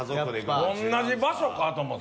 同じ場所か？と思った。